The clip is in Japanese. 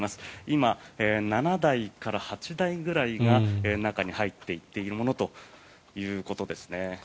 今、７台から８台ぐらいが中に入っているものということです。